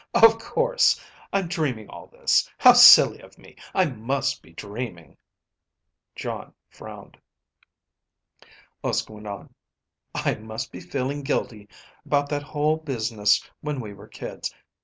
"Oh, of course. I'm dreaming all this. How silly of me. I must be dreaming." Jon frowned. Uske went on. "I must be feeling guilty about that whole business when we were kids.